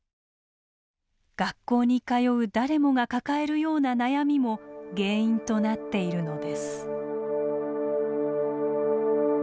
学校に通う誰もが抱えるような悩みも原因となっているのです。